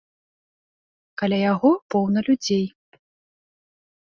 Каля яго поўна людзей.